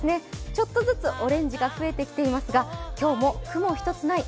ちょっとずつオレンジが増えてきていますが今日も雲一つない